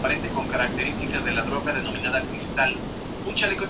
Como universitario, disputó tres temporadas con los "Hawks" de la Universidad de St.